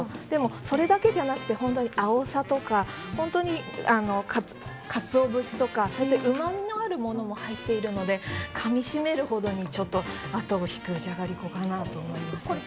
でも、それだけじゃなくてアオサとかカツオ節とかそういううまみのあるものも入っているのでかみしめるほどに、あとを引くじゃがりこかなと思いますね。